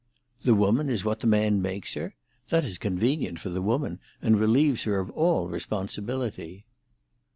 "The woman is what the man makes her? That is convenient for the woman, and relieves her of all responsibility."